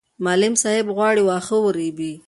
معلم صاحب غواړي واښه ورېبي.